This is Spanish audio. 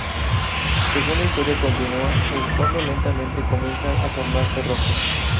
Según la historia continúa, el fondo lentamente comienza a tornarse rojo.